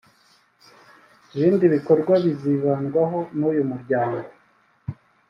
Ibindi bikorwa bizibandwaho n’uyu muryango